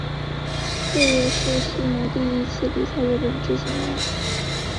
这也是须磨第一次离开日本执行任务。